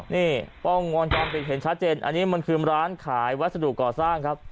นี่กล้องวงจรปิดเห็นชัดเจนอันนี้มันคือร้านขายวัสดุก่อสร้างครับ